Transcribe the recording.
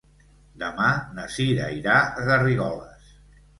Demà na Cira irà a Garrigoles.